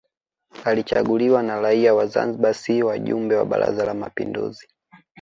Alichaguliwa na raia wa Zanzibar si wajumbe wa Baraza la Mapinduzi